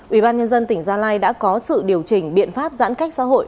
ubnd tỉnh gia lai đã có sự điều chỉnh biện pháp giãn cách xã hội